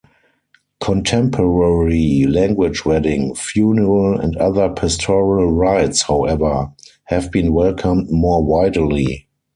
Contemporary-language wedding, funeral, and other pastoral rites, however, have been welcomed more widely.